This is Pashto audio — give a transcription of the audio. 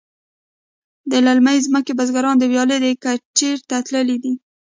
د للمې ځمکې بزگران د ویالې کټیر ته تللي دي.